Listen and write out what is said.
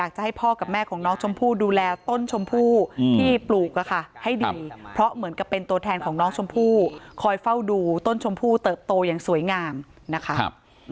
เขาจะมีความรู้สึกงอนโกรธเกลียดมากนะ